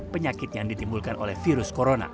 penyakit yang ditimbulkan oleh virus corona